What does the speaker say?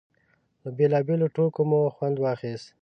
له بېلابېلو ټوکو مو خوند اخيست.